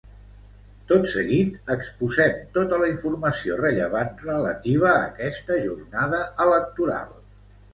Tot seguit, exposem tota la informació rellevant relativa a aquesta jornada electoral.